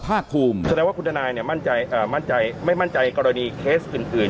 แสดงว่าคุณธนายเนี้ยมั่นใจอ่ามั่นใจไม่มั่นใจกรณีเคสอื่นอื่น